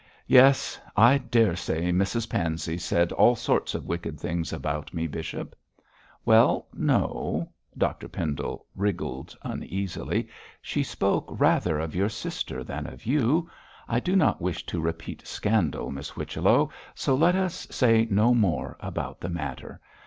'Yes. I daresay Mrs Pansey said all sorts of wicked things about me, bishop?' 'Well, no!' Dr Pendle wriggled uneasily 'she spoke rather of your sister than of you. I do not wish to repeat scandal, Miss Whichello, so let us say no more about the matter.